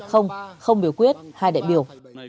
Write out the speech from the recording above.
không không biểu quyết hai đại biểu